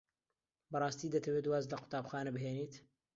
بەڕاستی دەتەوێت واز لە قوتابخانە بهێنیت؟